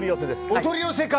お取り寄せか！